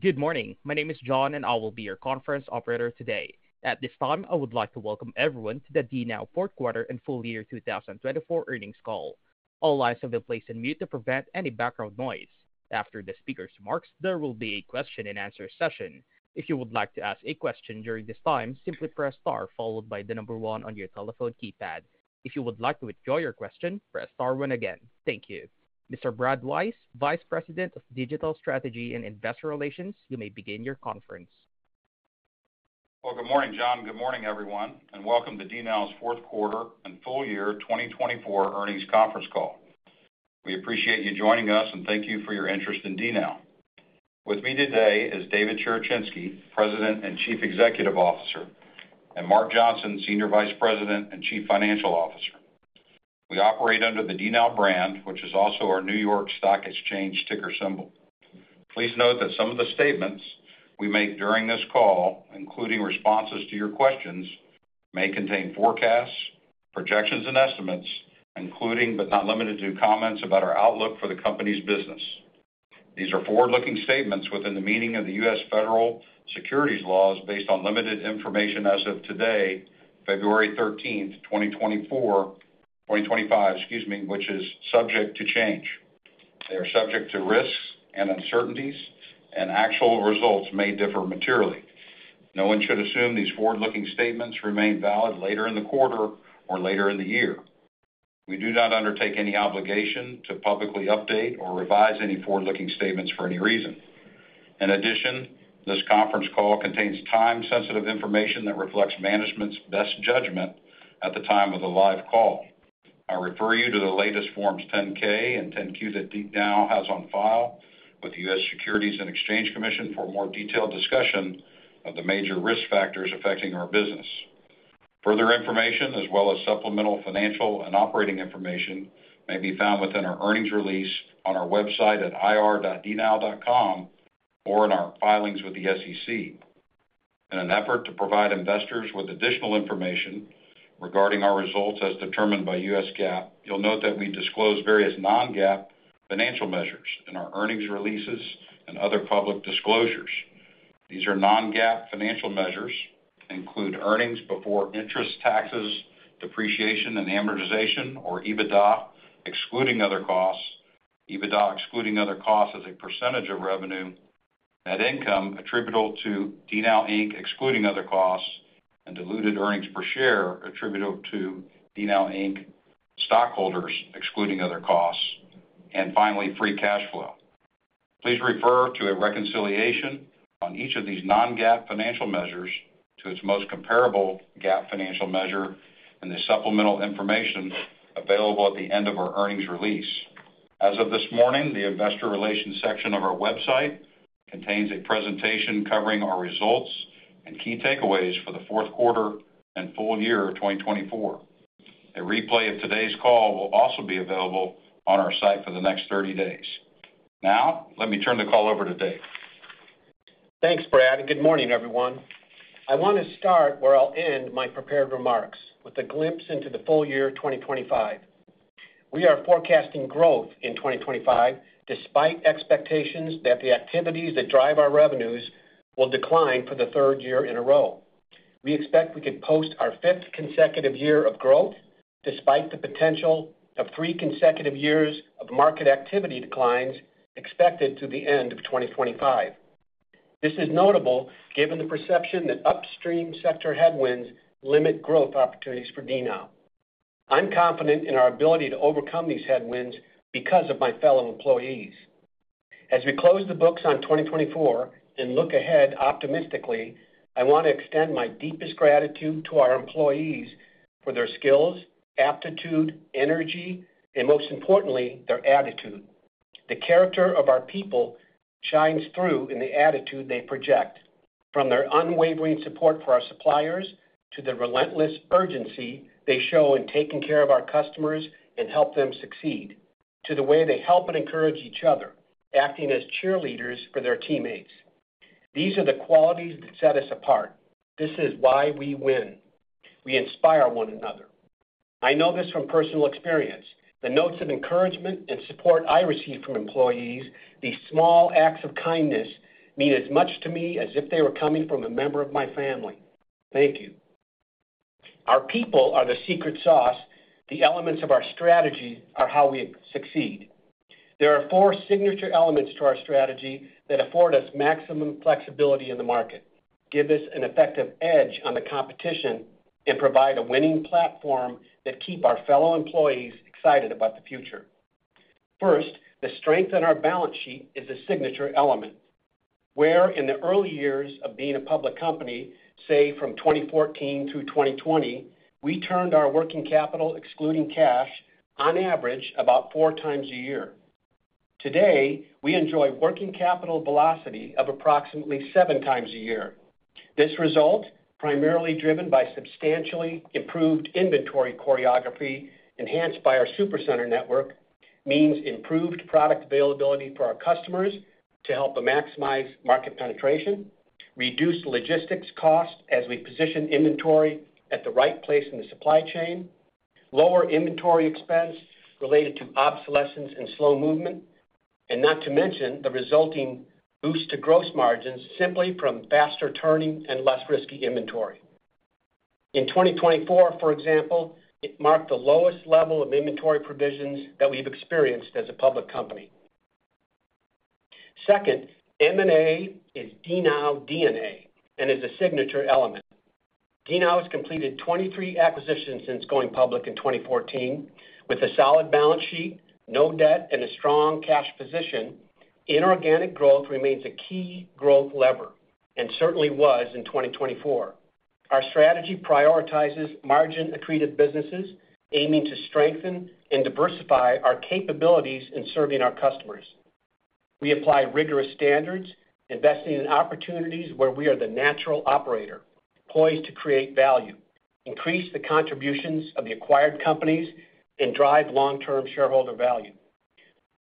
Good morning. My name is John, and I will be your conference operator today. At this time, I would like to welcome everyone to the DNOW fourth quarter and full-year 2024 earnings call. All lines have been placed on mute to prevent any background noise. After the speaker's remarks, there will be a question-and-answer session. If you would like to ask a question during this time, simply press star followed by the number one on your telephone keypad. If you would like to withdraw your question, press star two again. Thank you. Mr. Brad Wise, Vice President of Digital Strategy and Investor Relations, you may begin your conference. Good morning, John. Good morning, everyone, and welcome to DNOW's fourth-quarter and full-year 2024 earnings conference call. We appreciate you joining us, and thank you for your interest in DNOW. With me today is David Cherechinsky, President and Chief Executive Officer, and Mark Johnson, Senior Vice President and Chief Financial Officer. We operate under the DNOW brand, which is also our New York Stock Exchange ticker symbol. Please note that some of the statements we make during this call, including responses to your questions, may contain forecasts, projections, and estimates, including but not limited to comments about our outlook for the company's business. These are forward-looking statements within the meaning of the U.S. federal securities laws based on limited information as of today, February 13, 2025, excuse me, which is subject to change. They are subject to risks and uncertainties, and actual results may differ materially. No one should assume these forward-looking statements remain valid later in the quarter or later in the year. We do not undertake any obligation to publicly update or revise any forward-looking statements for any reason. In addition, this conference call contains time-sensitive information that reflects management's best judgment at the time of the live call. I refer you to the latest Forms 10-K and 10-Q that DNOW has on file with the U.S. Securities and Exchange Commission for more detailed discussion of the major risk factors affecting our business. Further information, as well as supplemental financial and operating information, may be found within our earnings release on our website at ir.dnow.com or in our filings with the SEC. In an effort to provide investors with additional information regarding our results as determined by U.S. GAAP, you'll note that we disclose various non-GAAP financial measures in our earnings releases and other public disclosures. These are non-GAAP financial measures that include earnings before interest, taxes, depreciation, and amortization, or EBITDA, excluding other costs, EBITDA excluding other costs as a percentage of revenue, net income attributable to DNOW Inc. excluding other costs, and diluted earnings per share attributable to DNOW Inc. stockholders excluding other costs, and finally, free cash flow. Please refer to a reconciliation on each of these non-GAAP financial measures to its most comparable GAAP financial measure in the supplemental information available at the end of our earnings release. As of this morning, the investor relations section of our website contains a presentation covering our results and key takeaways fourth quarter and full-year 2024. A replay of today's call will also be available on our site for the next 30 days. Now, let me turn the call over to Dave. Thanks, Brad. Good morning, everyone. I want to start where I'll end my prepared remarks with a glimpse into the full-year 2025. We are forecasting growth in 2025 despite expectations that the activities that drive our revenues will decline for the third year in a row. We expect we could post our fifth consecutive year of growth despite the potential of three consecutive years of market activity declines expected through the end of 2025. This is notable given the perception that upstream sector headwinds limit growth opportunities for DNOW. I'm confident in our ability to overcome these headwinds because of my fellow employees. As we close the books on 2024 and look ahead optimistically, I want to extend my deepest gratitude to our employees for their skills, aptitude, energy, and, most importantly, their attitude. The character of our people shines through in the attitude they project, from their unwavering support for our suppliers to the relentless urgency they show in taking care of our customers and helping them succeed, to the way they help and encourage each other, acting as cheerleaders for their teammates. These are the qualities that set us apart. This is why we win. We inspire one another. I know this from personal experience. The notes of encouragement and support I receive from employees, these small acts of kindness, mean as much to me as if they were coming from a member of my family. Thank you. Our people are the secret sauce. The elements of our strategy are how we succeed. There are four signature elements to our strategy that afford us maximum flexibility in the market, give us an effective edge on the competition, and provide a winning platform that keeps our fellow employees excited about the future. First, the strength in our balance sheet is a signature element. Whereas in the early years of being a public company, say from 2014 through 2020, we turned our working capital, excluding cash, on average about four times a year. Today, we enjoy working capital velocity of approximately seven times a year. This result, primarily driven by substantially improved inventory choreography enhanced by our supercenter network, means improved product availability for our customers to help maximize market penetration, reduce logistics costs as we position inventory at the right place in the supply chain, lower inventory expense related to obsolescence and slow movement, and not to mention the resulting boost to gross margins simply from faster turning and less risky inventory. In 2024, for example, it marked the lowest level of inventory provisions that we've experienced as a public company. Second, M&A is DNOW DNA and is a signature element. DNOW has completed 23 acquisitions since going public in 2014. With a solid balance sheet, no debt, and a strong cash position, inorganic growth remains a key growth lever and certainly was in 2024. Our strategy prioritizes margin-accreted businesses, aiming to strengthen and diversify our capabilities in serving our customers. We apply rigorous standards, investing in opportunities where we are the natural operator, poised to create value, increase the contributions of the acquired companies, and drive long-term shareholder value.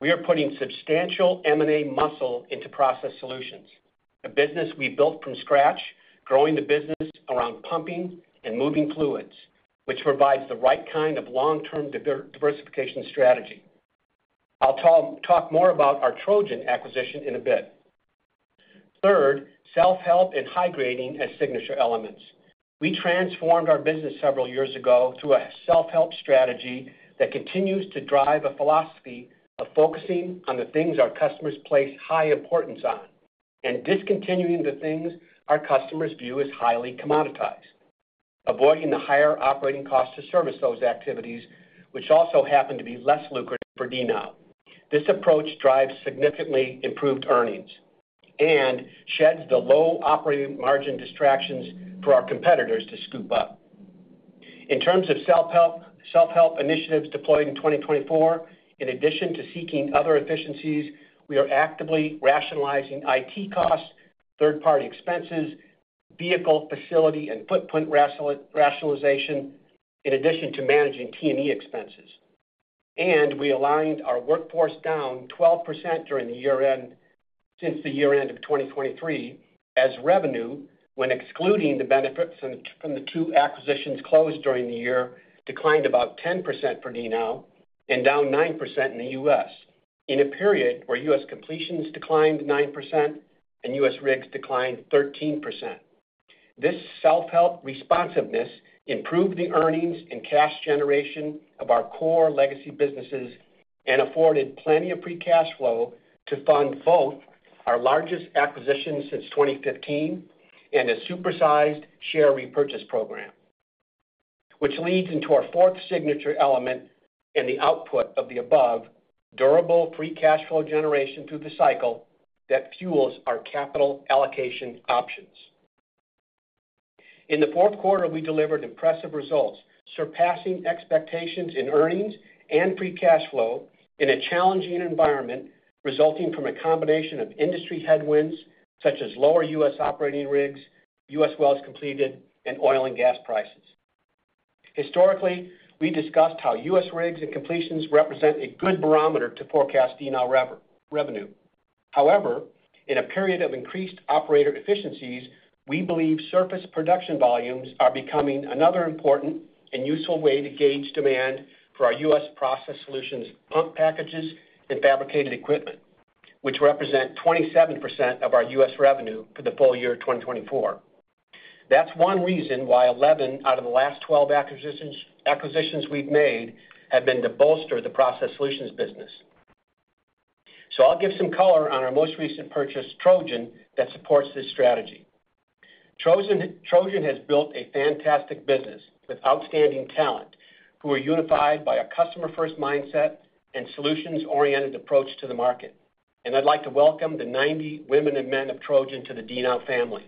We are putting substantial M&A muscle into Process Solutions, a business we built from scratch, growing the business around pumping and moving fluids, which provides the right kind of long-term diversification strategy. I'll talk more about our Trojan acquisition in a bit. Third, self-help and high grading as signature elements. We transformed our business several years ago through a self-help strategy that continues to drive a philosophy of focusing on the things our customers place high importance on and discontinuing the things our customers view as highly commoditized, avoiding the higher operating costs to service those activities, which also happen to be less lucrative for DNOW. This approach drives significantly improved earnings and sheds the low operating margin distractions for our competitors to scoop up. In terms of self-help initiatives deployed in 2024, in addition to seeking other efficiencies, we are actively rationalizing IT costs, third-party expenses, vehicle facility and footprint rationalization, in addition to managing T&E expenses, and we aligned our workforce down 12% during the year-end since the year-end of 2023 as revenue when excluding the benefits from the two acquisitions closed during the year declined about 10% for DNOW and down 9% in the U.S., in a period where U.S. completions declined 9% and U.S. rigs declined 13%. This self-help responsiveness improved the earnings and cash generation of our core legacy businesses and afforded plenty of free cash flow to fund both our largest acquisition since 2015 and a supersized share repurchase program, which leads into our fourth signature element and the output of the above, durable free cash flow generation through the cycle that fuels our capital allocation options. In fourth quarter, we delivered impressive results, surpassing expectations in earnings and free cash flow in a challenging environment resulting from a combination of industry headwinds such as lower U.S. operating rigs, U.S. wells completed, and oil and gas prices. Historically, we discussed how U.S. rigs and completions represent a good barometer to forecast DNOW revenue. However, in a period of increased operator efficiencies, we believe surface production volumes are becoming another important and useful way to gauge demand for our U.S. process solutions, pump packages, and fabricated equipment, which represent 27% of our U.S. revenue for the full-year 2024. That's one reason why 11 out of the last 12 acquisitions we've made have been to bolster the process solutions business. So I'll give some color on our most recent purchase, Trojan, that supports this strategy. Trojan has built a fantastic business with outstanding talent who are unified by a customer-first mindset and solutions-oriented approach to the market. And I'd like to welcome the 90 women and men of Trojan to the DNOW family.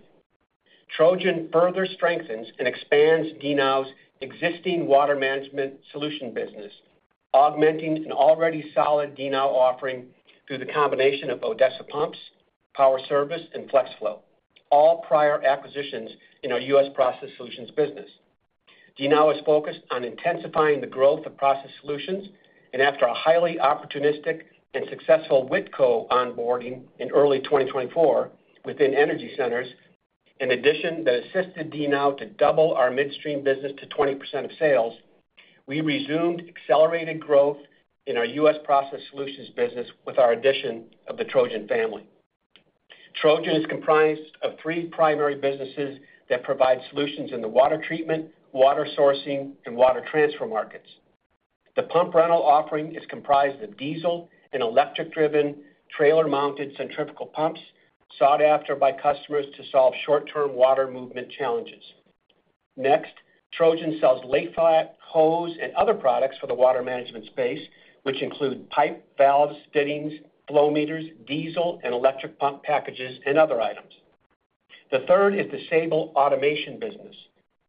Trojan further strengthens and expands DNOW's existing water management solution business, augmenting an already solid DNOW offering through the combination of Odessa Pumps, Power Service, and Flex Flow, all prior acquisitions in our U.S. process solutions business. DNOW is focused on intensifying the growth of process solutions, and after a highly opportunistic and successful Whitco onboarding in early 2024 within Energy Centers, an addition that assisted DNOW to double our midstream business to 20% of sales, we resumed accelerated growth in our U.S. process solutions business with our addition of the Trojan family. Trojan is comprised of three primary businesses that provide solutions in the water treatment, water sourcing, and water transfer markets. The pump rental offering is comprised of diesel and electric-driven, trailer-mounted centrifugal pumps sought after by customers to solve short-term water movement challenges. Next, Trojan sells layflat, hose, and other products for the water management space, which include pipe, valves, fittings, flow meters, diesel and electric pump packages, and other items. The third is the Sable Automation business.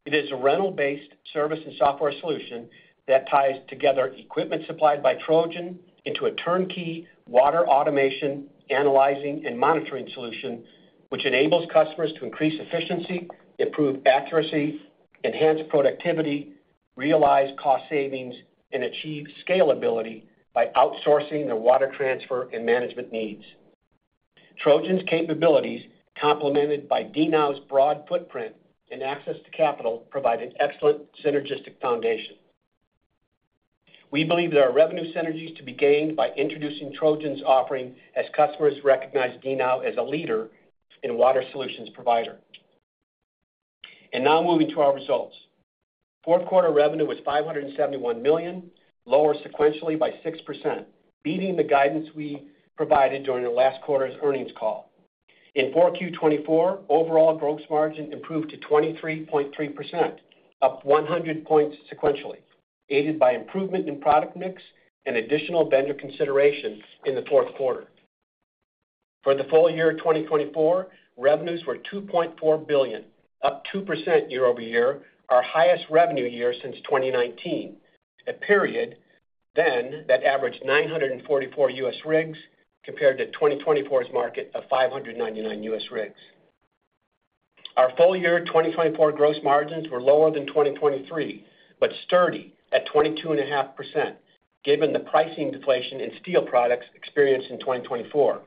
It is a rental-based service and software solution that ties together equipment supplied by Trojan into a turnkey water automation, analyzing and monitoring solution, which enables customers to increase efficiency, improve accuracy, enhance productivity, realize cost savings, and achieve scalability by outsourcing their water transfer and management needs. Trojan's capabilities, complemented by DNOW's broad footprint and access to capital, provide an excellent synergistic foundation. We believe there are revenue synergies to be gained by introducing Trojan's offering as customers recognize DNOW as a leader in water solutions provider. And now moving to fourth quarter revenue was $571 million, lower sequentially by 6%, beating the guidance we provided during the last quarter's earnings call. In 4Q 2024, overall gross margin improved to 23.3%, up 100 points sequentially, aided by improvement in product mix and additional vendor consideration fourth quarter. For the full-year 2024, revenues were $2.4 billion, up 2% year-over-year, our highest revenue year since 2019, a period then that averaged 944 U.S. rigs compared to 2024's market of 599 U.S. rigs. Our full-year 2024 gross margins were lower than 2023, but steady at 22.5%, given the pricing deflation in steel products experienced in 2024.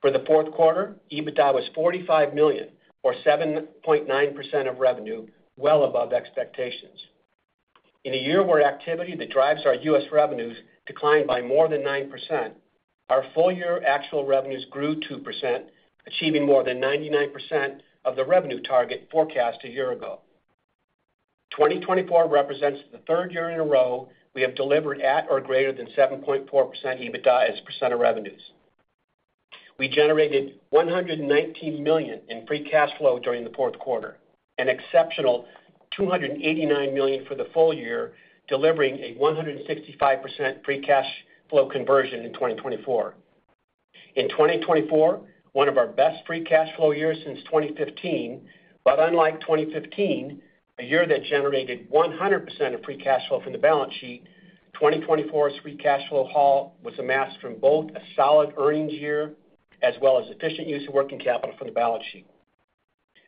fourth quarter, EBITDA was $45 million, or 7.9% of revenue, well above expectations. In a year where activity that drives our U.S. revenues declined by more than 9%, our full-year actual revenues grew 2%, achieving more than 99% of the revenue target forecast a year ago. 2024 represents the third year in a row we have delivered at or greater than 7.4% EBITDA as % of revenues. We generated $119 million in free cash flow fourth quarter, an exceptional $289 million for the full-year, delivering a 165% free cash flow conversion in 2024. In 2024, one of our best free cash flow years since 2015, but unlike 2015, a year that generated 100% of free cash flow from the balance sheet, 2024's free cash flow haul was amassed from both a solid earnings year as well as efficient use of working capital from the balance sheet.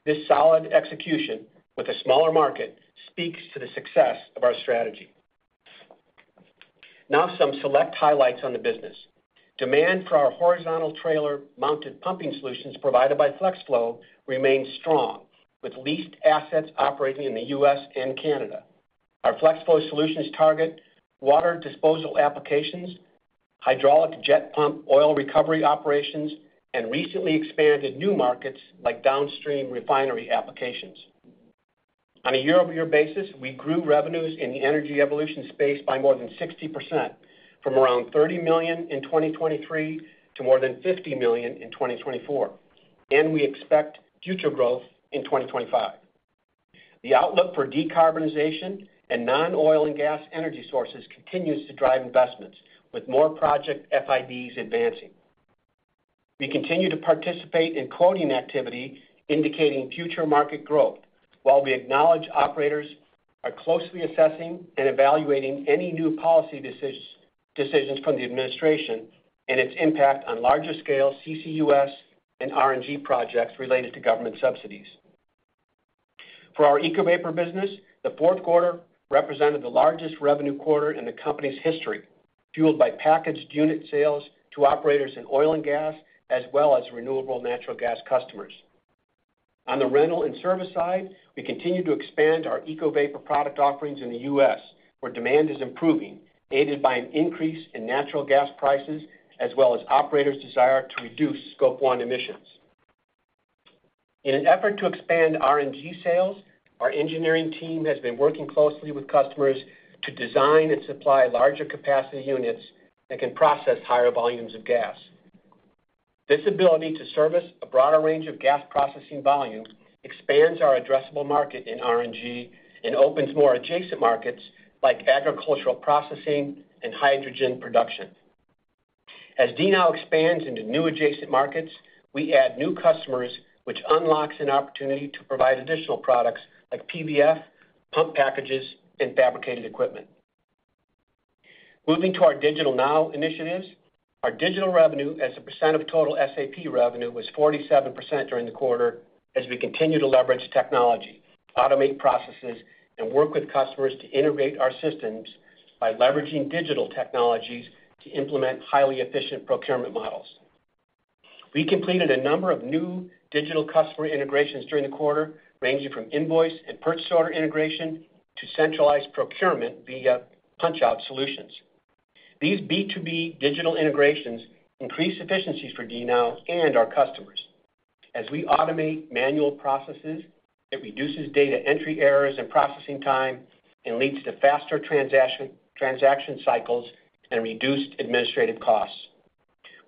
This solid execution with a smaller market speaks to the success of our strategy. Now some select highlights on the business. Demand for our horizontal trailer-mounted pumping solutions provided by Flex Flow remains strong, with leased assets operating in the U.S. and Canada. Our Flex Flow solutions target water disposal applications, hydraulic jet pump oil recovery operations, and recently expanded new markets like downstream refinery applications. On a year-over-year basis, we grew revenues in the Energy Evolution space by more than 60%, from around $30 million in 2023 to more than $50 million in 2024, and we expect future growth in 2025. The outlook for decarbonization and non-oil and gas energy sources continues to drive investments, with more project FIDs advancing. We continue to participate in quoting activity indicating future market growth, while we acknowledge operators are closely assessing and evaluating any new policy decisions from the administration and its impact on larger scale CCUS and RNG projects related to government subsidies. For our EcoVapor business, fourth quarter represented the largest revenue quarter in the company's history, fueled by packaged unit sales to operators in oil and gas as well as renewable natural gas customers. On the rental and service side, we continue to expand our EcoVapor product offerings in the U.S., where demand is improving, aided by an increase in natural gas prices as well as operators' desire to reduce Scope 1 emissions. In an effort to expand RNG sales, our engineering team has been working closely with customers to design and supply larger capacity units that can process higher volumes of gas. This ability to service a broader range of gas processing volumes expands our addressable market in RNG and opens more adjacent markets like agricultural processing and hydrogen production. As DNOW expands into new adjacent markets, we add new customers, which unlocks an opportunity to provide additional products like PVF, pump packages, and fabricated equipment. Moving to our DigitalNOW initiatives, our digital revenue as a percent of total SAP revenue was 47% during the quarter as we continue to leverage technology, automate processes, and work with customers to integrate our systems by leveraging digital technologies to implement highly efficient procurement models. We completed a number of new digital customer integrations during the quarter, ranging from invoice and purchase order integration to centralized procurement via punch-out solutions. These B2B digital integrations increase efficiencies for DNOW and our customers. As we automate manual processes, it reduces data entry errors and processing time and leads to faster transaction cycles and reduced administrative costs.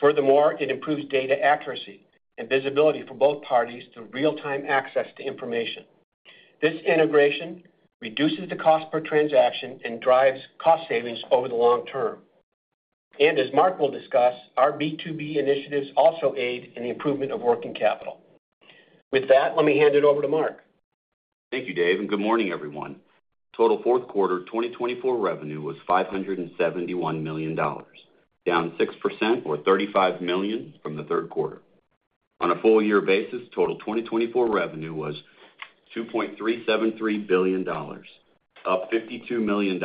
Furthermore, it improves data accuracy and visibility for both parties through real-time access to information. This integration reduces the cost per transaction and drives cost savings over the long term. And as Mark will discuss, our B2B initiatives also aid in the improvement of working capital. With that, let me hand it over to Mark. Thank you, Dave, and good morning, fourth quarter 2024 revenue was $571 million, down 6%, or $35 million from the third quarter. On a full-year basis, total 2024 revenue was $2.373 billion, up $52 million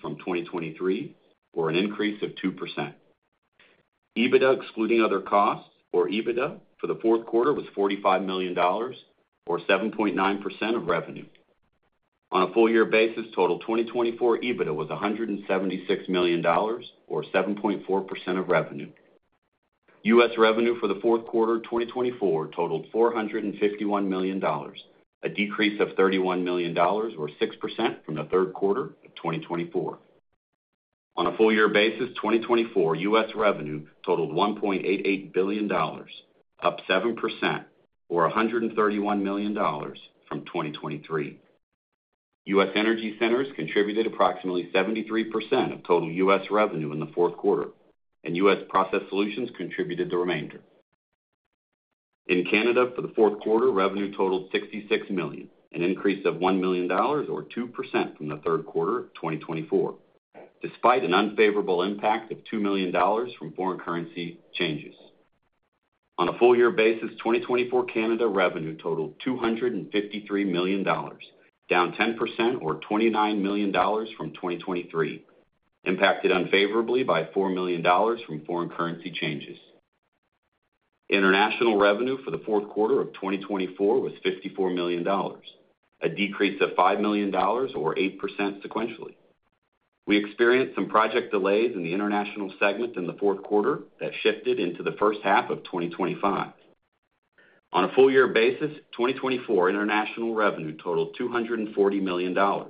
from 2023, or an increase of 2%. EBITDA excluding other costs, or EBITDA, fourth quarter was $45 million, or 7.9% of revenue. On a full-year basis, total 2024 EBITDA was $176 million, or 7.4% of revenue. U.S. revenue fourth quarter 2024 totaled $451 million, a decrease of $31 million, or 6% from the third quarter of 2024. On a full-year basis, 2024 U.S. revenue totaled $1.88 billion, up 7%, or $131 million from 2023. U.S. Energy Centers contributed approximately 73% of total U.S. revenue in fourth quarter, and U.S. process solutions contributed the remainder. In Canada, for fourth quarter, revenue totaled $66 million, an increase of $1 million, or 2% from the third quarter of 2024, despite an unfavorable impact of $2 million from foreign currency changes. On a full-year basis, 2024 Canada revenue totaled $253 million, down 10%, or $29 million from 2023, impacted unfavorably by $4 million from foreign currency changes. International revenue for fourth quarter of 2024 was $54 million, a decrease of $5 million, or 8% sequentially. We experienced some project delays in the international segment fourth quarter that shifted into the first half of 2025. On a full-year basis, 2024 international revenue totaled $240 million, down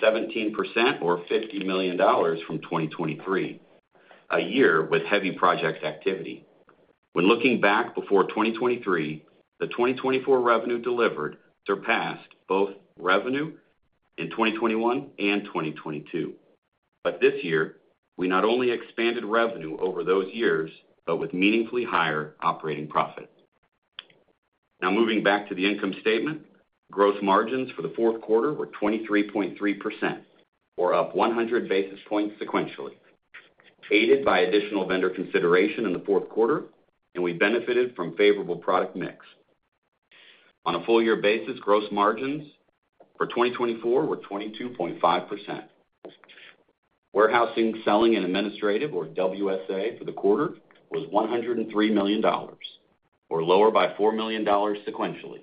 17%, or $50 million from 2023, a year with heavy project activity. When looking back before 2023, the 2024 revenue delivered surpassed both revenue in 2021 and 2022, but this year, we not only expanded revenue over those years, but with meaningfully higher operating profit. Now moving back to the income statement, gross margins fourth quarter were 23.3%, or up 100 basis points sequentially, aided by additional vendor consideration fourth quarter, and we benefited from favorable product mix. On a full-year basis, gross margins for 2024 were 22.5%. Warehousing, selling, and administrative, or WSA, for the quarter was $103 million, or lower by $4 million sequentially,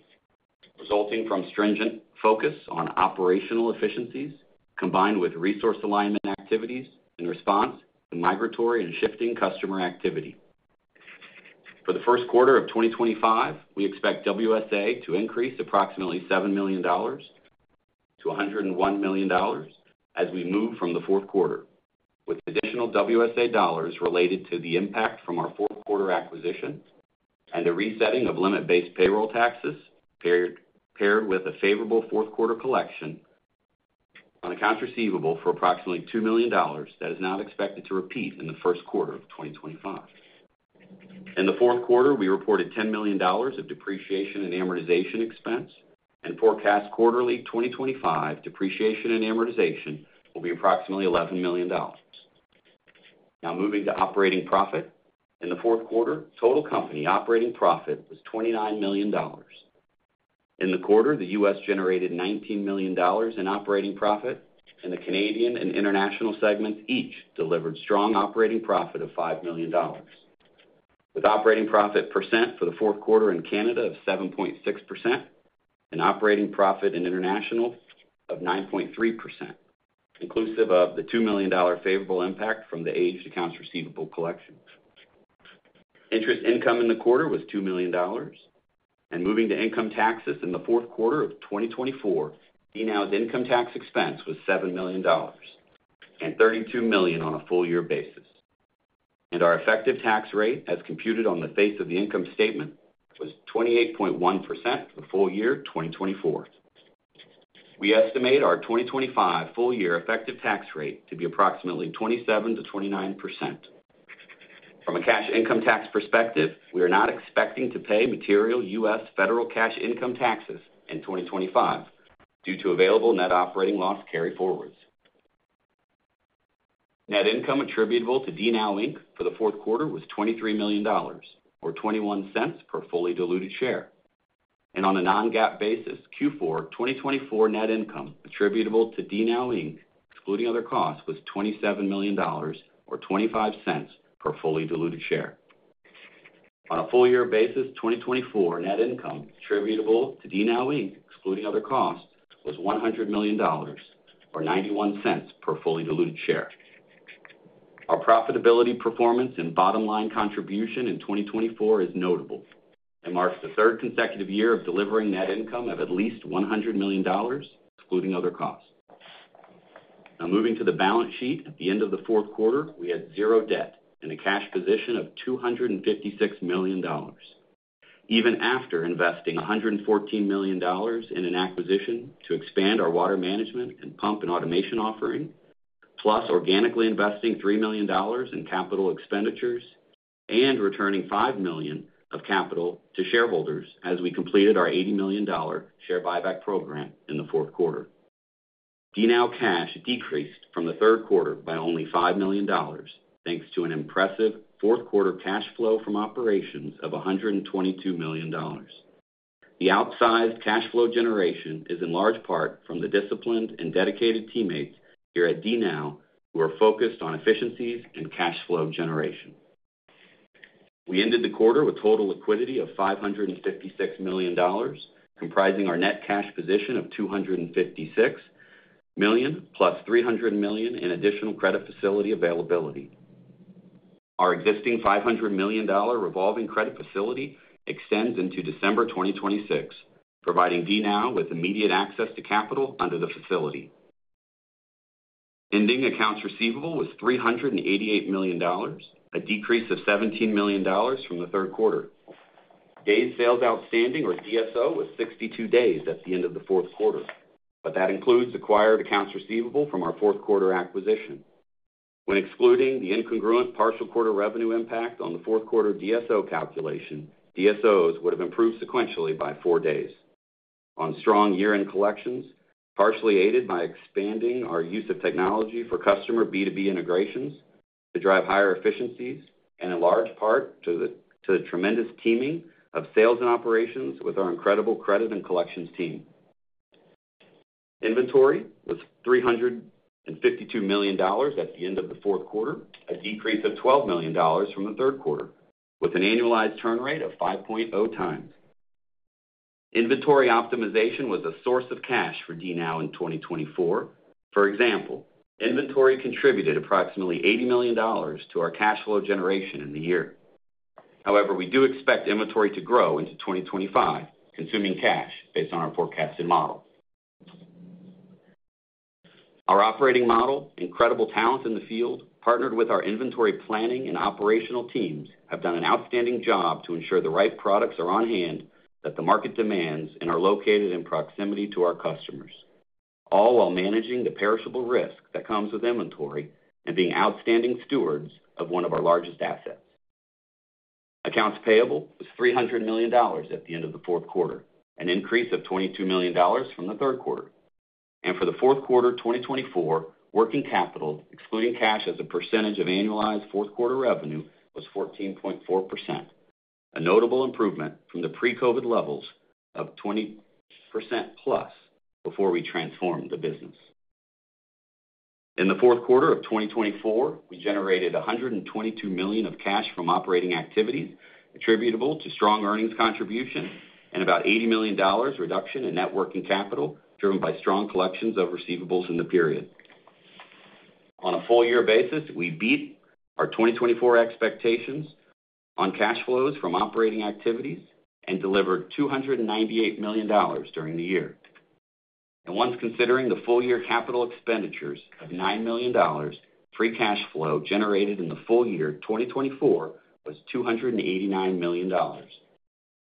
resulting from stringent focus on operational efficiencies combined with resource alignment activities in response to migratory and shifting customer activity. For the first quarter of 2025, we expect WSA to increase approximately $7 million to $101 million as we move from fourth quarter, with additional WSA dollars related to the impact from fourth quarter acquisition and the resetting of limit-based payroll taxes paired with a fourth quarter collection on accounts receivable for approximately $2 million that is now expected to repeat in the first quarter of 2025. In fourth quarter, we reported $10 million of depreciation and amortization expense, and forecast quarterly 2025 depreciation and amortization will be approximately $11 million. Now moving to operating profit. In fourth quarter, total company operating profit was $29 million. In the quarter, the U.S. Generated $19 million in operating profit, and the Canadian and international segments each delivered strong operating profit of $5 million, with operating profit percent fourth quarter in Canada of 7.6% and operating profit in international of 9.3%, inclusive of the $2 million favorable impact from the aged accounts receivable collections. Interest income in the quarter was $2 million, and moving to income taxes fourth quarter of 2024, DNOW's income tax expense was $7 million and $32 million on a full-year basis. And our effective tax rate, as computed on the face of the income statement, was 28.1% for full-year 2024. We estimate our 2025 full-year effective tax rate to be approximately 27%-29%. From a cash income tax perspective, we are not expecting to pay material U.S. federal cash income taxes in 2025 due to available net operating loss carry forwards. Net income attributable to DNOW Inc. fourth quarter was $23 million, or $0.21 per fully diluted share, and on a non-GAAP basis, Q4 2024 net income attributable to DNOW Inc., excluding other costs, was $27 million, or $0.25 per fully diluted share. On a full-year basis, 2024 net income attributable to DNOW Inc., excluding other costs, was $100 million, or $0.91 per fully diluted share. Our profitability performance and bottom line contribution in 2024 is notable. It marks the third consecutive year of delivering net income of at least $100 million, excluding other costs. Now moving to the balance sheet, at the end fourth quarter, we had zero debt and a cash position of $256 million, even after investing $114 million in an acquisition to expand our water management and pump and automation offering, plus organically investing $3 million in capital expenditures and returning $5 million of capital to shareholders as we completed our $80 million share buyback program fourth quarter. DNOW cash decreased from the third quarter by only $5 million, thanks to fourth quarter cash flow from operations of $122 million. The outsized cash flow generation is in large part from the disciplined and dedicated teammates here at DNOW, who are focused on efficiencies and cash flow generation. We ended the quarter with total liquidity of $556 million, comprising our net cash position of $256 million plus $300 million in additional credit facility availability. Our existing $500 million revolving credit facility extends into December 2026, providing DNOW with immediate access to capital under the facility. Ending accounts receivable was $388 million, a decrease of $17 million from the third quarter. Days Sales Outstanding, or DSO, was 62 days at the end fourth quarter, but that includes acquired accounts receivable fourth quarter acquisition. When excluding the incongruent partial quarter revenue impact fourth quarter DSO calculation, DSOs would have improved sequentially by four days. On strong year-end collections, partially aided by expanding our use of technology for customer B2B integrations to drive higher efficiencies, and in large part to the tremendous teaming of sales and operations with our incredible credit and collections team. Inventory was $352 million at the end fourth quarter, a decrease of $12 million from the third quarter, with an annualized turn rate of 5x. Inventory optimization was a source of cash for DNOW in 2024. For example, inventory contributed approximately $80 million to our cash flow generation in the year. However, we do expect inventory to grow into 2025, consuming cash based on our forecasted model. Our operating model and credible talent in the field, partnered with our inventory planning and operational teams, have done an outstanding job to ensure the right products are on hand that the market demands and are located in proximity to our customers, all while managing the perishable risk that comes with inventory and being outstanding stewards of one of our largest assets. Accounts payable was $300 million at the end fourth quarter, an increase of $22 million from the Third Quarter. fourth quarter 2024, working capital, excluding cash as a percentage fourth quarter revenue, was 14.4%, a notable improvement from the pre-COVID levels of 20% plus before we transformed the business. fourth quarter of 2024, we generated $122 million of cash from operating activities attributable to strong earnings contribution and about $80 million reduction in net working capital driven by strong collections of receivables in the period. On a full-year basis, we beat our 2024 expectations on cash flows from operating activities and delivered $298 million during the year. Once considering the full-year capital expenditures of $9 million, free cash flow generated in the full-year 2024 was $289 million.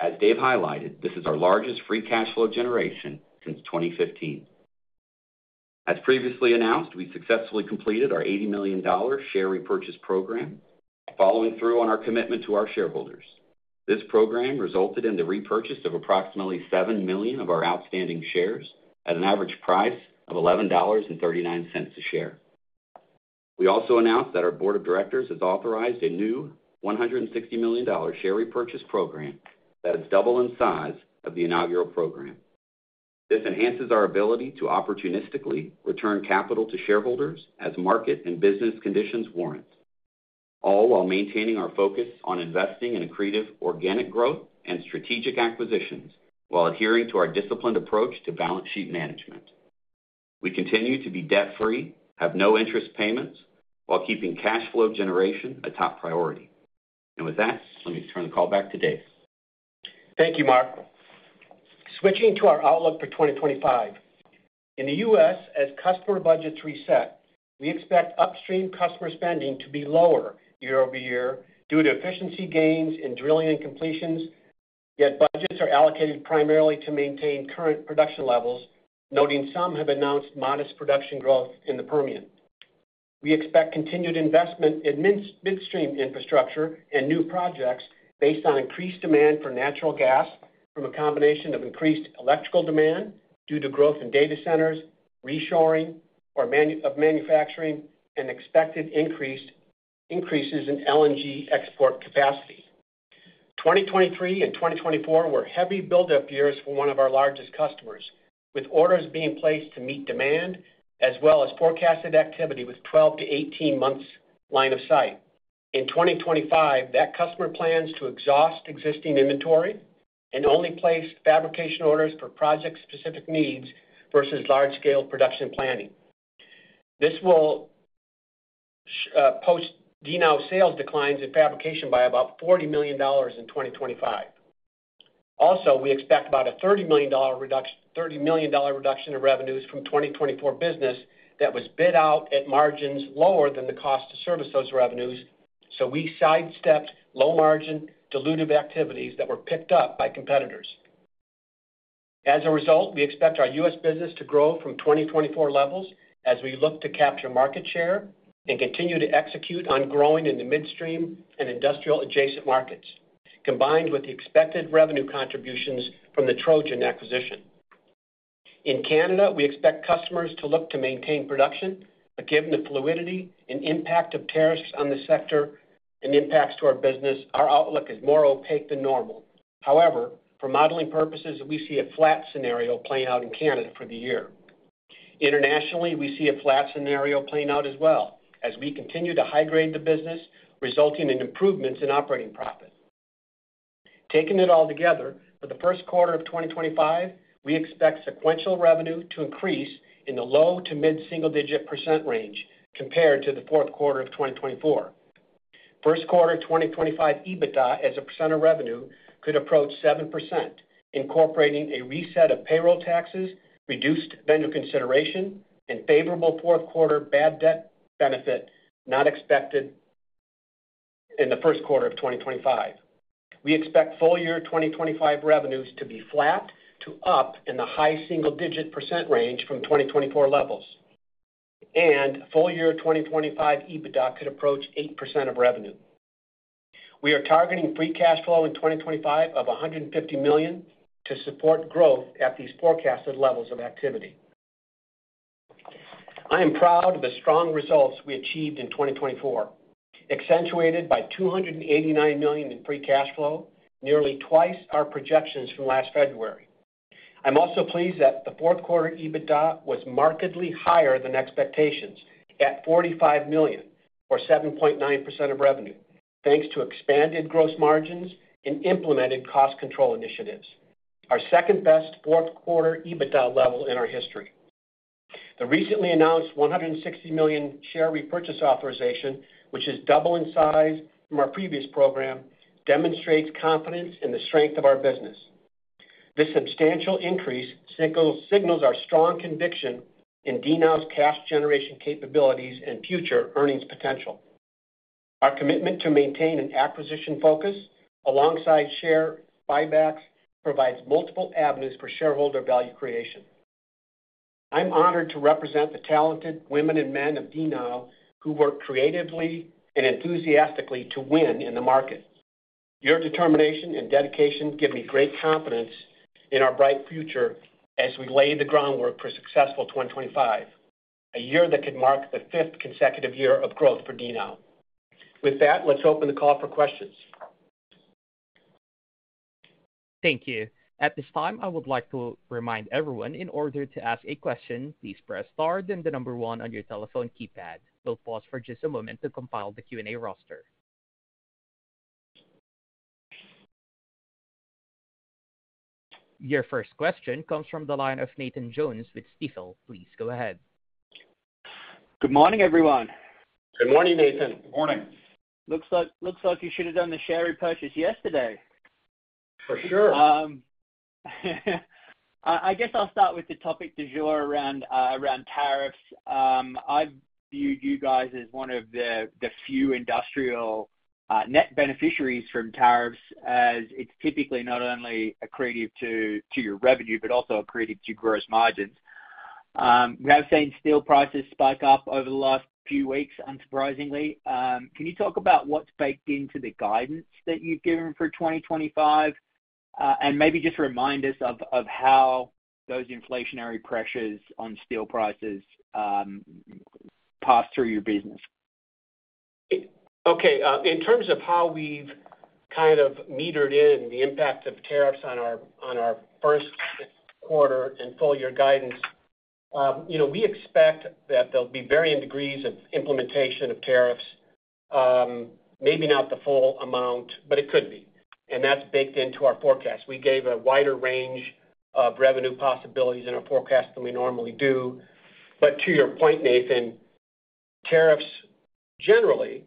As Dave highlighted, this is our largest free cash flow generation since 2015. As previously announced, we successfully completed our $80 million share repurchase program, following through on our commitment to our shareholders. This program resulted in the repurchase of approximately $7 million of our outstanding shares at an average price of $11.39 a share. We also announced that our board of directors has authorized a new $160 million share repurchase program that is double in size of the inaugural program. This enhances our ability to opportunistically return capital to shareholders as market and business conditions warrant, all while maintaining our focus on investing in accretive organic growth and strategic acquisitions while adhering to our disciplined approach to balance sheet management. We continue to be debt-free, have no interest payments, while keeping cash flow generation a top priority, and with that, let me turn the call back to Dave. Thank you, Mark. Switching to our outlook for 2025. In the U.S., as customer budgets reset, we expect upstream customer spending to be lower year-over-year due to efficiency gains in drilling and completions, yet budgets are allocated primarily to maintain current production levels, noting some have announced modest production growth in the Permian. We expect continued investment in midstream infrastructure and new projects based on increased demand for natural gas from a combination of increased electrical demand due to growth in data centers, reshoring, or manufacturing, and expected increases in LNG export capacity. 2023 and 2024 were heavy build-up years for one of our largest customers, with orders being placed to meet demand as well as forecasted activity with 12 to 18 months line of sight. In 2025, that customer plans to exhaust existing inventory and only place fabrication orders for project-specific needs versus large-scale production planning. This will post DNOW sales declines in fabrication by about $40 million in 2025. Also, we expect about a $30 million reduction in revenues from 2024 business that was bid out at margins lower than the cost to service those revenues, so we sidestepped low-margin dilutive activities that were picked up by competitors. As a result, we expect our U.S. business to grow from 2024 levels as we look to capture market share and continue to execute on growing in the midstream and industrial-adjacent markets, combined with the expected revenue contributions from the Trojan acquisition. In Canada, we expect customers to look to maintain production, but given the fluidity and impact of tariffs on the sector and impacts to our business, our outlook is more opaque than normal. However, for modeling purposes, we see a flat scenario playing out in Canada for the year. Internationally, we see a flat scenario playing out as well, as we continue to high-grade the business, resulting in improvements in operating profit. Taking it all together, for the first quarter of 2025, we expect sequential revenue to increase in the low to mid-single-digit percent range compared fourth quarter of 2024. First Quarter 2025 EBITDA as a percent of revenue could approach 7%, incorporating a reset of payroll taxes, reduced vendor consideration, fourth quarter bad debt benefit not expected in the first quarter of 2025. We expect full-year 2025 revenues to be flat to up in the high single-digit percent range from 2024 levels, and full-year 2025 EBITDA could approach 8% of revenue. We are targeting free cash flow in 2025 of $150 million to support growth at these forecasted levels of activity. I am proud of the strong results we achieved in 2024, accentuated by $289 million in free cash flow, nearly twice our projections from last February. I'm also pleased fourth quarter EBITDA was markedly higher than expectations at $45 million, or 7.9% of revenue, thanks to expanded gross margins and implemented cost control initiatives. fourth quarter EBITDA level in our history. The recently announced $160 million share repurchase authorization, which is double in size from our previous program, demonstrates confidence in the strength of our business. This substantial increase signals our strong conviction in DNOW's cash generation capabilities and future earnings potential. Our commitment to maintain an acquisition focus alongside share buybacks provides multiple avenues for shareholder value creation. I'm honored to represent the talented women and men of DNOW who work creatively and enthusiastically to win in the market. Your determination and dedication give me great confidence in our bright future as we lay the groundwork for a successful 2025, a year that could mark the fifth consecutive year of growth for DNOW. With that, let's open the call for questions. Thank you. At this time, I would like to remind everyone in order to ask a question, please press star then the number one on your telephone keypad. We'll pause for just a moment to compile the Q&A roster. Your first question comes from the line of Nathan Jones with Stifel. Please go ahead. Good morning, everyone. Good morning, Nathan. Good morning. Looks like you should have done the share repurchase yesterday. For sure. I guess I'll start with the topic du jour around tariffs. I viewed you guys as one of the few industrial net beneficiaries from tariffs, as it's typically not only accreted to your revenue but also accreted to gross margins. We have seen steel prices spike up over the last few weeks, unsurprisingly. Can you talk about what's baked into the guidance that you've given for 2025, and maybe just remind us of how those inflationary pressures on steel prices passed through your business? Okay. In terms of how we've kind of factored in the impact of tariffs on our first quarter and full-year guidance, we expect that there'll be varying degrees of implementation of tariffs, maybe not the full amount, but it could be, and that's baked into our forecast. We gave a wider range of revenue possibilities in our forecast than we normally do. But to your point, Nathan, tariffs generally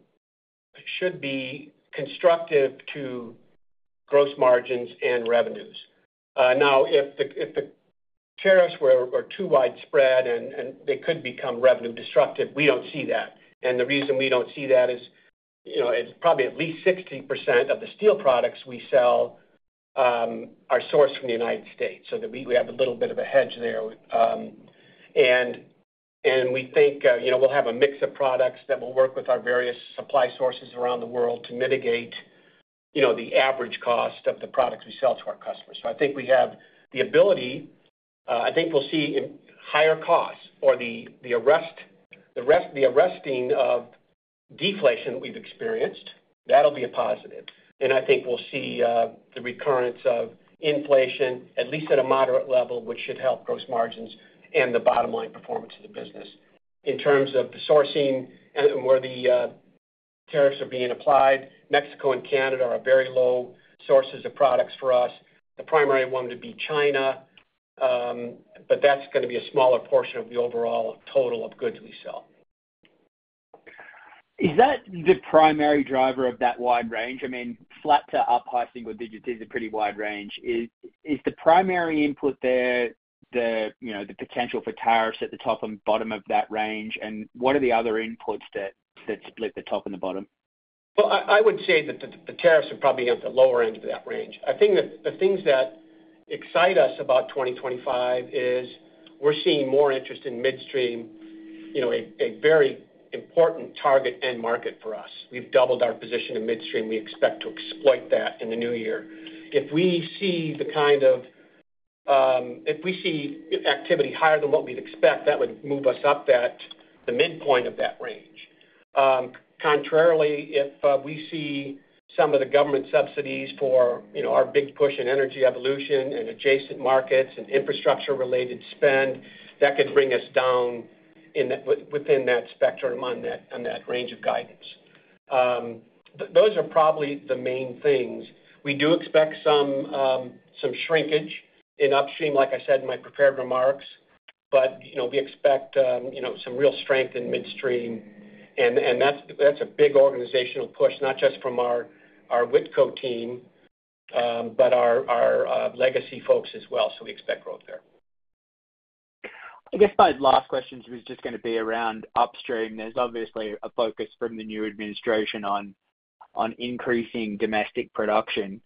should be constructive to gross margins and revenues. Now, if the tariffs were too widespread and they could become revenue-destructive, we don't see that. And the reason we don't see that is probably at least 60% of the steel products we sell are sourced from the United States, so that we have a little bit of a hedge there. And we think we'll have a mix of products that will work with our various supply sources around the world to mitigate the average cost of the products we sell to our customers. So I think we have the ability. I think we'll see higher costs or the arresting of deflation that we've experienced. That'll be a positive. I think we'll see the recurrence of inflation, at least at a moderate level, which should help gross margins and the bottom-line performance of the business. In terms of the sourcing and where the tariffs are being applied, Mexico and Canada are very low sources of products for us. The primary one would be China, but that's going to be a smaller portion of the overall total of goods we sell. Is that the primary driver of that wide range? I mean, flat to up, I think, would be just a pretty wide range. Is the primary input there the potential for tariffs at the top and bottom of that range, and what are the other inputs that split the top and the bottom? Well, I would say that the tariffs are probably at the lower end of that range. I think the things that excite us about 2025 is we're seeing more interest in midstream, a very important target end market for us. We've doubled our position in midstream. We expect to exploit that in the new year. If we see activity higher than what we'd expect, that would move us up the midpoint of that range. Contrarily, if we see some of the government subsidies for our big push in energy evolution and adjacent markets and infrastructure-related spend, that could bring us down within that spectrum on that range of guidance. Those are probably the main things. We do expect some shrinkage in upstream, like I said in my prepared remarks, but we expect some real strength in midstream, and that's a big organizational push, not just from our Whitco team, but our legacy folks as well, so we expect growth there. I guess my last question was just going to be around upstream. There's obviously a focus from the new administration on increasing domestic production.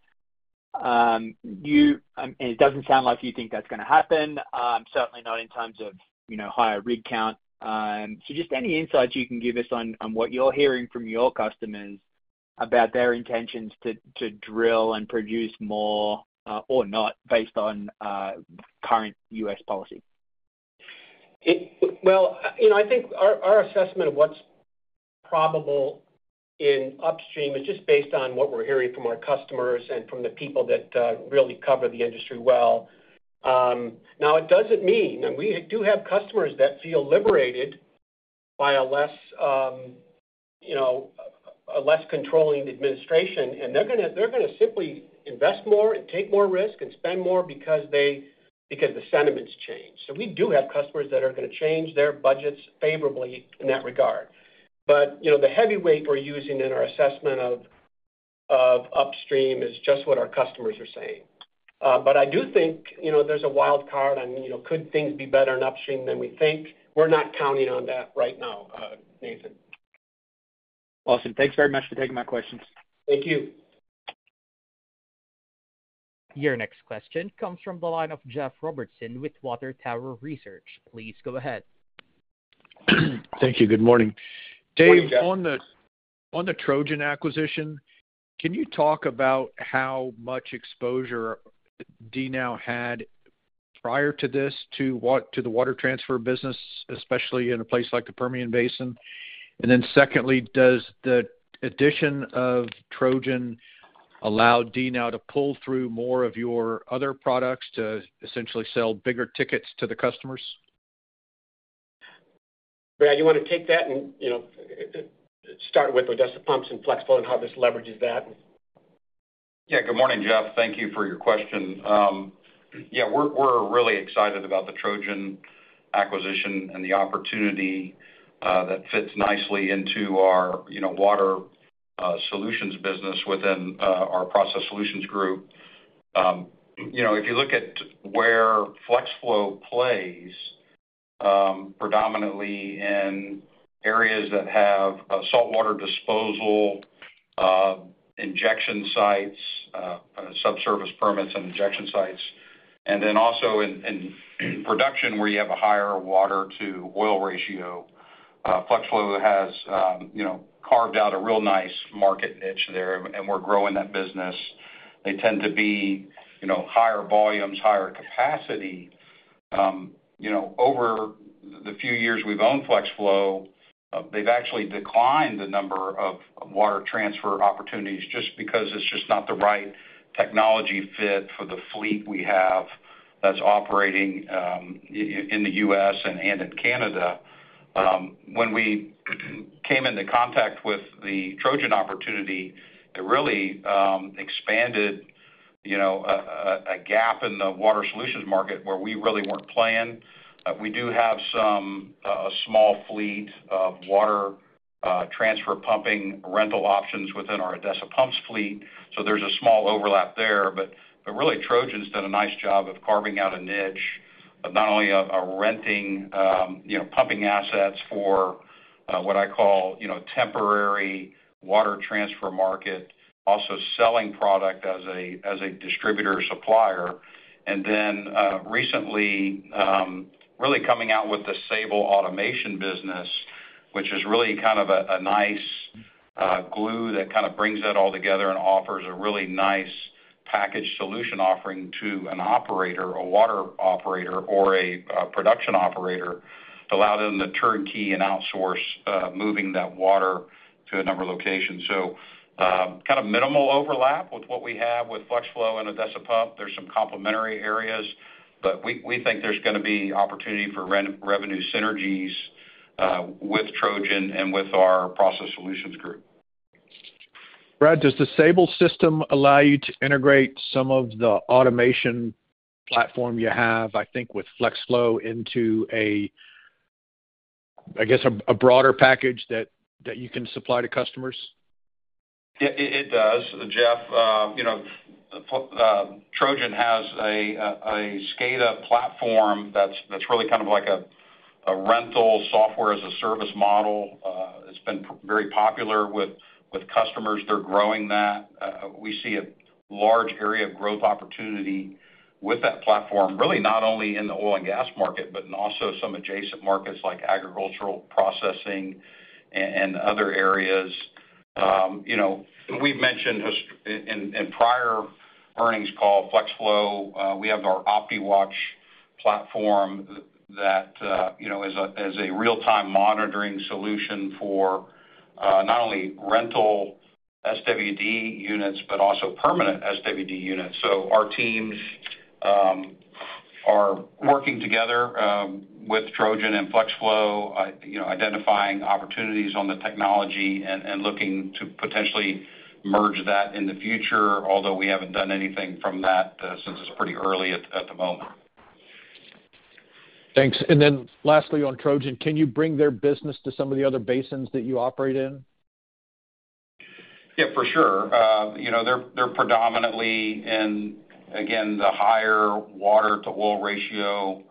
It doesn't sound like you think that's going to happen, certainly not in terms of higher rig count. So just any insights you can give us on what you're hearing from your customers about their intentions to drill and produce more or not based on current U.S. policy? I think our assessment of what's probable in upstream is just based on what we're hearing from our customers and from the people that really cover the industry well. Now, it doesn't mean, and we do have customers that feel liberated by a less controlling administration, and they're going to simply invest more and take more risk and spend more because the sentiment's changed. So we do have customers that are going to change their budgets favorably in that regard. But the heavyweight we're using in our assessment of upstream is just what our customers are saying. But I do think there's a wild card on could things be better in upstream than we think. We're not counting on that right now, Nathan. Awesome. Thanks very much for taking my questions. Thank you. Your next question comes from the line of Jeff Robertson with Water Tower Research. Please go ahead. Thank you. Good morning. Dave, on the Trojan acquisition, can you talk about how much exposure DNOW had prior to this to the water transfer business, especially in a place like the Permian Basin? And then secondly, does the addition of Trojan allow DNOW to pull through more of your other products to essentially sell bigger tickets to the customers? Brad, you want to take that and start with the Odessa Pumps and Flex Flow and how this leverages that? Yeah. Good morning, Jeff. Thank you for your question. Yeah, we're really excited about the Trojan acquisition and the opportunity that fits nicely into our water solutions business within our process solutions group. If you look at where Flex Flow plays, predominantly in areas that have saltwater disposal, injection sites, subsurface permits and injection sites, and then also in production where you have a higher water-to-oil ratio, Flex Flow has carved out a real nice market niche there, and we're growing that business. They tend to be higher volumes, higher capacity. Over the few years we've owned Flex Flow, they've actually declined the number of water transfer opportunities just because it's just not the right technology fit for the fleet we have that's operating in the U.S. and in Canada. When we came into contact with the Trojan opportunity, it really expanded a gap in the water solutions market where we really weren't playing. We do have a small fleet of water transfer pumping rental options within our Odessa Pumps fleet, so there's a small overlap there. But really, Trojan's done a nice job of carving out a niche of not only renting pumping assets for what I call temporary water transfer market, also selling product as a distributor supplier. And then recently, really coming out with the Sable automation business, which is really kind of a nice glue that kind of brings that all together and offers a really nice package solution offering to an operator, a water operator, or a production operator to allow them to turnkey and outsource moving that water to a number of locations. So, kind of minimal overlap with what we have with Flex Flow and Odessa Pumps. There's some complementary areas, but we think there's going to be opportunity for revenue synergies with Trojan and with our process solutions group. Brad, does the Sable system allow you to integrate some of the automation platform you have, I think, with Flex Flow into, I guess, a broader package that you can supply to customers? Yeah, it does, Jeff. Trojan has a SCADA platform that's really kind of like a rental software-as-a-service model. It's been very popular with customers. They're growing that. We see a large area of growth opportunity with that platform, really not only in the oil and gas market, but also in some adjacent markets like agricultural processing and other areas. We've mentioned in prior earnings call, Flex Flow, we have our OptiWatch platform that is a real-time monitoring solution for not only rental SWD units but also permanent SWD units. So our teams are working together with Trojan and Flex Flow, identifying opportunities on the technology and looking to potentially merge that in the future, although we haven't done anything from that since it's pretty early at the moment. Thanks. And then lastly, on Trojan, can you bring their business to some of the other basins that you operate in? Yeah, for sure. They're predominantly in, again, the higher water-to-oil ratio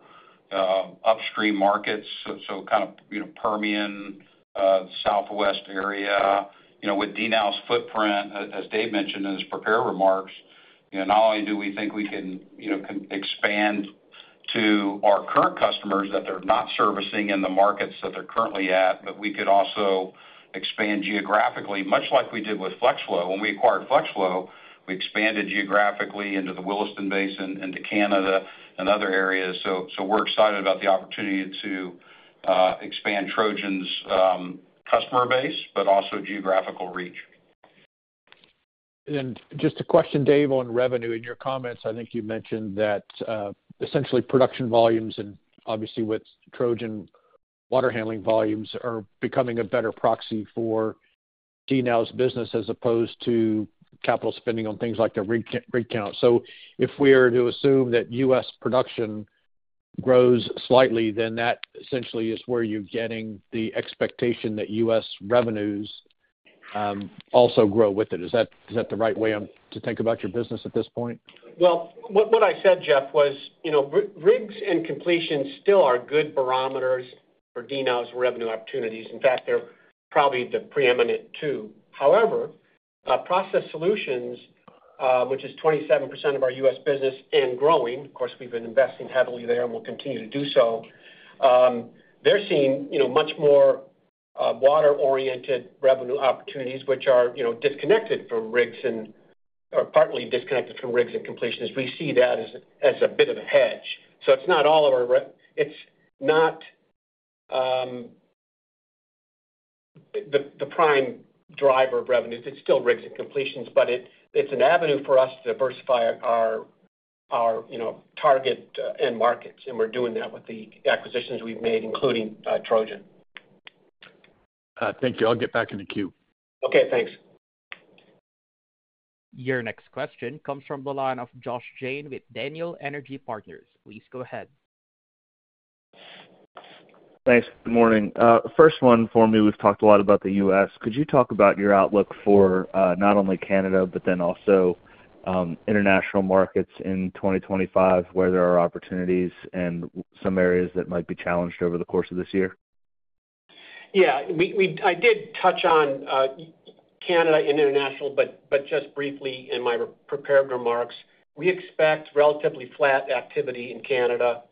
upstream markets, so kind of Permian, southwest area. With DNOW's footprint, as Dave mentioned in his prepared remarks, not only do we think we can expand to our current customers that they're not servicing in the markets that they're currently at, but we could also expand geographically, much like we did with Flex Flow. When we acquired Flex Flow, we expanded geographically into the Williston Basin, into Canada, and other areas, so we're excited about the opportunity to expand Trojan's customer base, but also geographical reach. Just a question, Dave, on revenue. In your comments, I think you mentioned that essentially production volumes and obviously with Trojan water handling volumes are becoming a better proxy for DNOW's business as opposed to capital spending on things like the rig count, so if we were to assume that U.S. production grows slightly, then that essentially is where you're getting the expectation that U.S. revenues also grow with it. Is that the right way to think about your business at this point? Well, what I said, Jeff, was rigs and completions still are good barometers for DNOW's revenue opportunities. In fact, they're probably the preeminent two. However, process solutions, which is 27% of our U.S. business and growing, of course, we've been investing heavily there and we'll continue to do so, they're seeing much more water-oriented revenue opportunities, which are disconnected from rigs and are partly disconnected from rigs and completions. We see that as a bit of a hedge. So it's not all of our, it's not the prime driver of revenues. It's still rigs and completions, but it's an avenue for us to diversify our target end markets. And we're doing that with the acquisitions we've made, including Trojan. Thank you. I'll get back in the queue. Okay. Thanks. Your next question comes from the line of Josh Jayne with Daniel Energy Partners. Please go ahead. Thanks. Good morning. First one for me, we've talked a lot about the U.S. Could you talk about your outlook for not only Canada, but then also international markets in 2025, where there are opportunities and some areas that might be challenged over the course of this year? Yeah. I did touch on Canada and international, but just briefly in my prepared remarks. We expect relatively flat activity in Canada,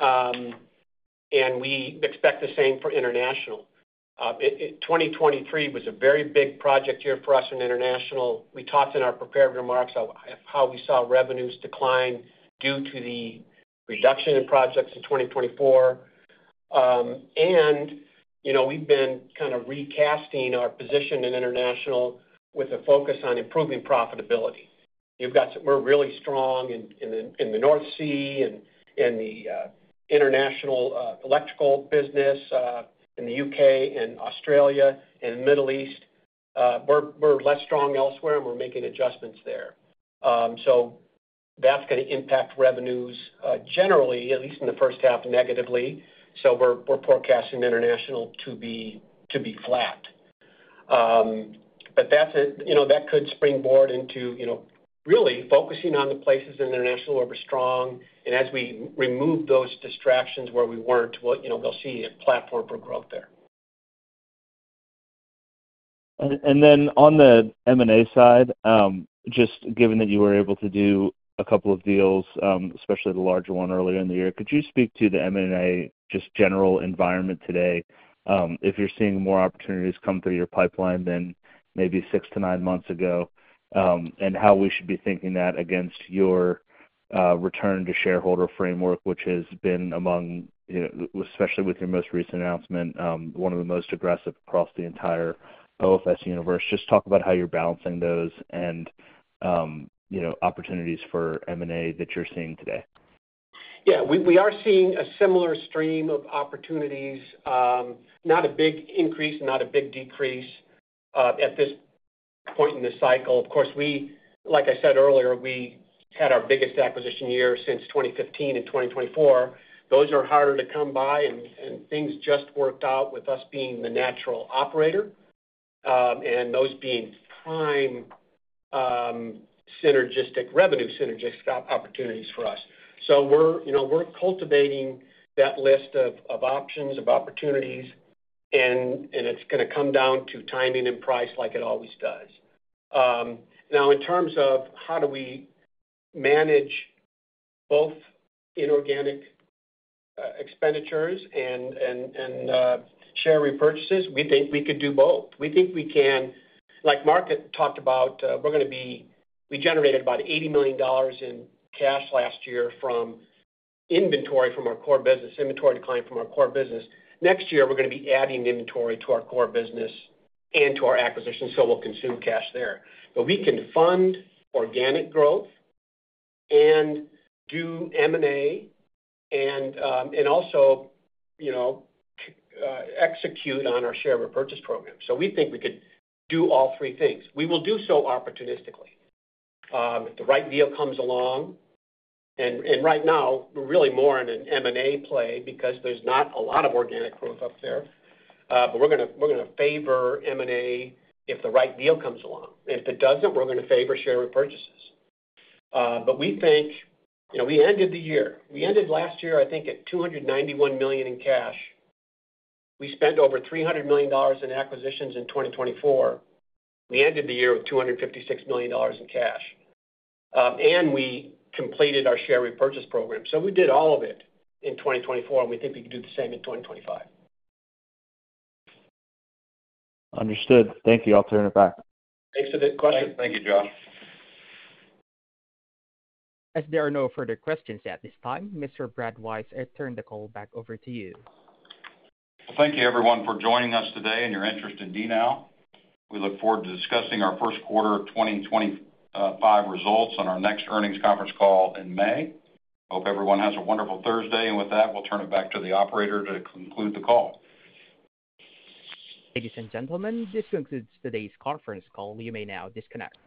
and we expect the same for international. 2023 was a very big project year for us in international. We talked in our prepared remarks of how we saw revenues decline due to the reduction in projects in 2024. And we've been kind of recasting our position in international with a focus on improving profitability. We're really strong in the North Sea and the international electrical business in the U.K. and Australia and the Middle East. We're less strong elsewhere, and we're making adjustments there. So that's going to impact revenues generally, at least in the first half, negatively. So we're forecasting international to be flat. But that could springboard into really focusing on the places in international where we're strong. And as we remove those distractions where we weren't, we'll see a platform for growth there. On the M&A side, just given that you were able to do a couple of deals, especially the larger one earlier in the year, could you speak to the M&A just general environment today? If you're seeing more opportunities come through your pipeline than maybe six to nine months ago, and how we should be thinking that against your return-to-shareholder framework, which has been among, especially with your most recent announcement, one of the most aggressive across the entire OFS universe? Just talk about how you're balancing those and opportunities for M&A that you're seeing today. Yeah. We are seeing a similar stream of opportunities, not a big increase and not a big decrease at this point in the cycle. Of course, like I said earlier, we had our biggest acquisition year since 2015 and 2024. Those are harder to come by, and things just worked out with us being the natural operator and those being prime synergistic revenue opportunities for us. So we're cultivating that list of options, of opportunities, and it's going to come down to timing and price like it always does. Now, in terms of how do we manage both inorganic expenditures and share repurchases, we think we could do both. We think we can. Like Mark talked about, we generated about $80 million in cash last year from inventory from our core business, inventory declined from our core business. Next year, we're going to be adding inventory to our core business and to our acquisition, so we'll consume cash there. But we can fund organic growth and do M&A and also execute on our share repurchase program. So we think we could do all three things. We will do so opportunistically. If the right deal comes along, and right now, we're really more in an M&A play because there's not a lot of organic growth up there, but we're going to favor M&A if the right deal comes along. And if it doesn't, we're going to favor share repurchases. But we think we ended the year. We ended last year, I think, at $291 million in cash. We spent over $300 million in acquisitions in 2024. We ended the year with $256 million in cash, and we completed our share repurchase program. So we did all of it in 2024, and we think we could do the same in 2025. Understood. Thank you. I'll turn it back. Thanks for the question. Thank you, Josh. As there are no further questions at this time, Mr. Brad Wise, I turn the call back over to you. Thank you, everyone, for joining us today and your interest in DNOW. We look forward to discussing our first quarter 2025 results on our next earnings conference call in May. Hope everyone has a wonderful Thursday. And with that, we'll turn it back to the operator to conclude the call. Ladies and gentlemen, this concludes today's conference call. You may now disconnect.